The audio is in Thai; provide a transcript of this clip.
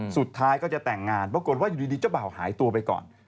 สุดท้ายก็จะแต่งงานปรากฏว่าอยู่ดีเจ้าบ่าวหายตัวไปก่อน